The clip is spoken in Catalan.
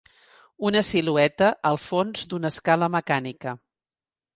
Una silueta al fons d'una escala mecànica.